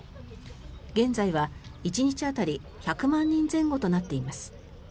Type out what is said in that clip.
現在は１日当たり１００万人前後となっています。